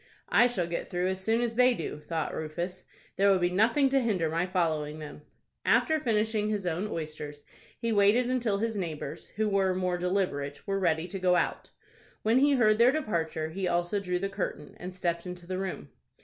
"I shall get through as soon as they do," thought Rufus. "There will be nothing to hinder my following them." After finishing his own oysters, he waited until his neighbors, who were more deliberate, were ready to go out. When he heard their departure, he also drew the curtain, and stepped into the room.